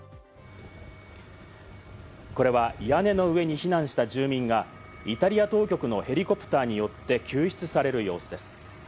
これは屋根の上に避難した住民がイタリア当局のヘリコプターによって救出される様子です。